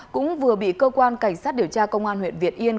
cũng vừa bị cơ quan cảnh sát điều tra công an huyện việt yên